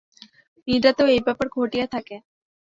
নিদ্রাতেও এই ব্যাপার ঘটিয়া থাকে।